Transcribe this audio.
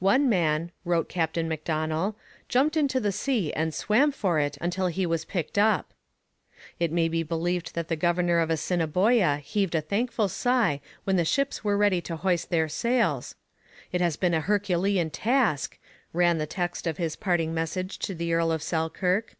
'One man,' wrote Captain Macdonell, 'jumped into the sea and swam for it until he was picked up.' It may be believed that the governor of Assiniboia heaved a thankful sigh when the ships were ready to hoist their sails. 'It has been a herculean task,' ran the text of his parting message to the Earl of Selkirk.